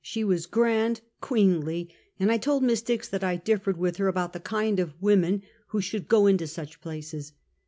She was grand, queenly; and I told Miss Dix that I differed with her about the kind of women who should go into such places.